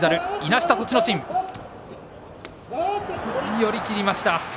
寄り切りました。